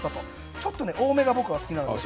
ちょっと多めが僕が好きなんです。